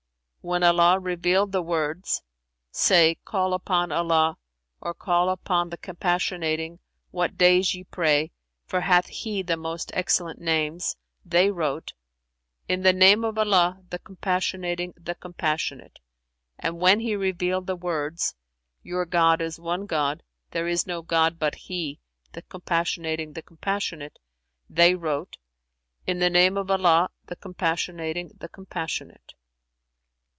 when Allah revealed the words, 'Say: Call upon Allah, or call upon the Compassionating, what days ye pray, for hath He the most excellent names,'[FN#370] they wrote, 'In the name of Allah, the Compassionating, the Compassionate; and, when He revealed the words, 'Your God is one God, there is no God but He, the Compassionating, the Compassionate,'[FN#371] they wrote, 'In the name of Allah, the Compassionating, the Compassionate!'"